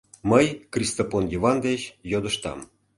Мый Кристопон Йыван деч йодыштам: